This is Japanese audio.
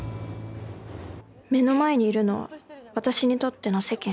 目の前にいるのは私にとっての「世間」。